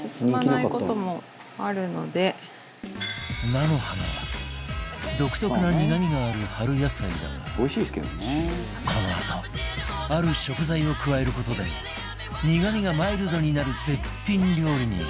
菜の花は独特な苦みがある春野菜だがこのあとある食材を加える事で苦みがマイルドになる絶品料理に